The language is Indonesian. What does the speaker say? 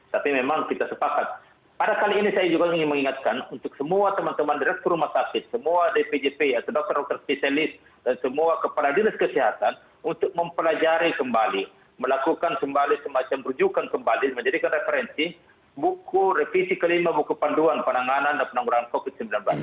tapi memang kita sepakat pada kali ini saya juga ingin mengingatkan untuk semua teman teman direktur rumah sakit semua dpjp atau dokter dokter spesialis dan semua kepala dinas kesehatan untuk mempelajari kembali melakukan kembali semacam rujukan kembali menjadikan referensi buku revisi kelima buku panduan penanganan dan penangguran covid sembilan belas